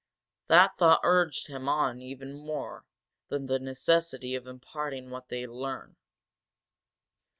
That thought urged him on even more than the necessity of imparting what they had learned.